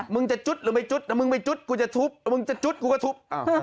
มึงจะจุดหรือไม่จุดมึงไปจุดกูจะทุบมึงจะจุดกูก็ทุบ